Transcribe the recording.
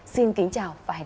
xin kính chào và hẹn gặp lại